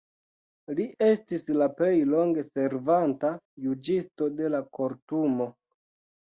Li estis la plej longe servanta juĝisto de la Kortumo.